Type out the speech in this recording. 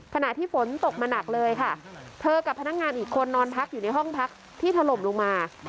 ขณะที่ฝนตกมาหนักเลยค่ะเธอกับพนักงานอีกคนนอนพักอยู่ในห้องพักที่ถล่มลงมา